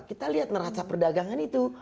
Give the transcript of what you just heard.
kita lihat neraca perdagangan itu